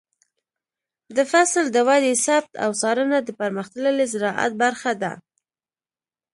د فصل د ودې ثبت او څارنه د پرمختللي زراعت برخه ده.